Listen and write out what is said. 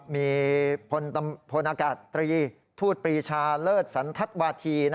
มีพลอากาศตรีทูตปรีชาเลิศสันทัศน์วาธี